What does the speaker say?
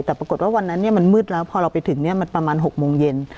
แต่ปรากฏว่าวันนั้นมันมืดแล้วพอเราไปถึงมันประมาณ๖โมงเย็น